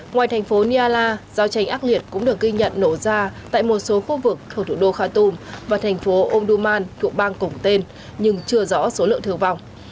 ngoài thành phố nyala giao tranh ác liệt cũng được ghi nhận nổ ra tại một số khu vực thuộc thủ đô khartoum và thành phố omdurman thủ bang cổng tên nhưng chưa rõ số lượng thương vọng